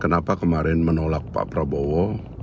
kenapa kemarin menolak pak prabowo